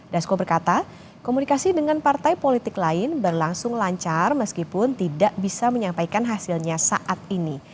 dasko berkata komunikasi dengan partai politik lain berlangsung lancar meskipun tidak bisa menyampaikan hasilnya saat ini